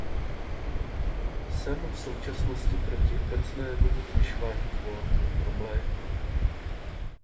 Jsem v současnosti proti obecnému zvyšování kvót pro mléko.